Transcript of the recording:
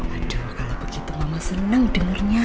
aduh kalau begitu mama senang dengarnya